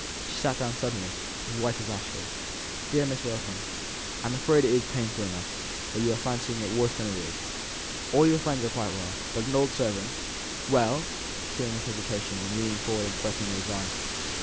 She sat down suddenly, as white as ashes. "Dear Miss Wilkins, I'm afraid it is painful enough, but you are fancying it worse than it is. All your friends are quite well; but an old servant " "Well!" she said, seeing his hesitation, and leaning forwards and griping at his arm.